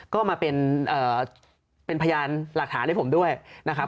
ก็มาเป็นพยานหลักฐานให้ผมด้วยนะครับ